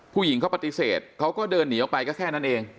ผู้หญิงเขาปฏิเสธเขาก็เดินหนีออกไปก็แค่นั้นเอง